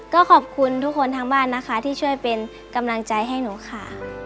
ก็ขอบคุณทุกคนทางบ้านนะคะที่ช่วยเป็นกำลังใจให้หนูค่ะ